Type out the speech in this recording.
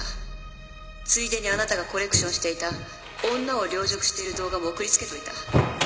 ついでにあなたがコレクションしていた女を陵辱している動画も送りつけといた。